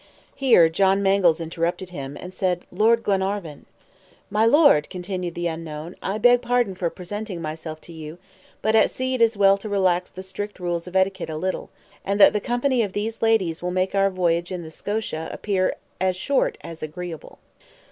Here John Mangles interrupted him, and said, "Lord Glenarvan." "My Lord," continued the unknown, "I beg pardon for presenting myself to you, but at sea it is well to relax the strict rules of etiquette a little. I hope we shall soon become acquainted with each other, and that the company of these ladies will make our voyage in the SCOTIA appear as short as agreeable."